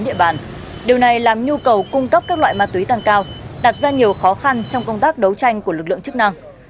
địa bàn điều này làm nhu cầu cung cấp các loại ma túy tăng cao đặt ra nhiều khó khăn trong công tác đấu tranh của lực lượng chức năng